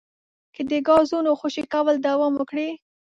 که د ګازونو خوشې کول دوام وکړي